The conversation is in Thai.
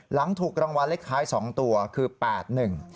หลังถุกรางวัลเล็กท้าย๒ตัวคือ๘๑